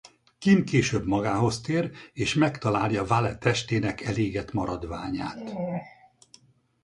Kim később magához tér és megtalálja Vale testének elégett maradványát.